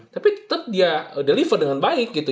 tapi tetap dia deliver dengan baik gitu